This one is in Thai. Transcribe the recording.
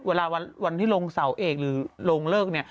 เวลาวันที่ลงเสาเอกหรือลงเลิก